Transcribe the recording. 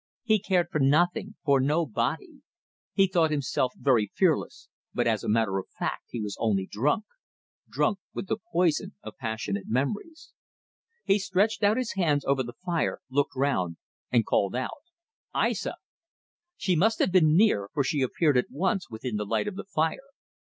He cared for nothing, for nobody. He thought himself very fearless, but as a matter of fact he was only drunk; drunk with the poison of passionate memories. He stretched his hands over the fire, looked round and called out "Aissa!" She must have been near, for she appeared at once within the light of the fire.